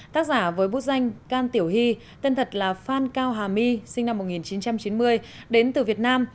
tác giả với bút danh can tiểu hy tên thật là phan cao hà my sinh năm một nghìn chín trăm chín mươi đến từ việt nam